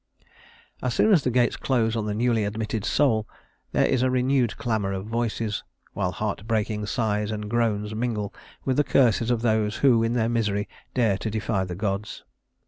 As soon as the gates close on the newly admitted soul, there is a renewed clamor of voices, while heart breaking sighs and groans mingle with the curses of those who in their misery dare to defy the gods.